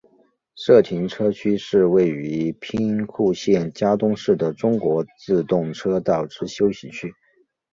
社停车区是位于兵库县加东市的中国自动车道之休息区。